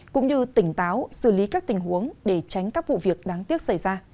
cũng như tỉnh táo xử lý các tình huống để tránh các vụ việc đáng tiếc xảy ra